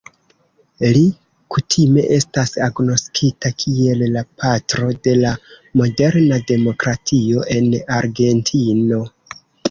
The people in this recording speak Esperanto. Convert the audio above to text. Li kutime estas agnoskita kiel "la patro de la moderna demokratio en Argentino".